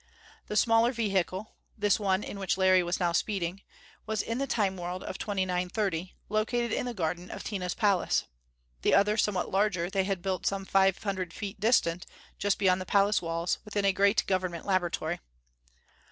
The smaller vehicle this one in which Larry now was speeding was, in the Time world of 2930, located in the garden of Tina's palace. The other, somewhat larger, they had built some five hundred feet distant, just beyond the palace walls, within a great Government laboratory.